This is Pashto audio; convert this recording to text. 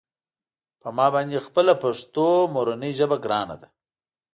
په ما باندې خپله پښتو مورنۍ ژبه ګرانه ده.